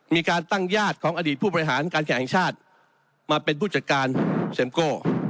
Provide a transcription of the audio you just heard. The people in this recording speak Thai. มีการตั้งญาติของอดีตผู้บริหารการแข่งชาติมาเป็นผู้จัดการเซ็มโก้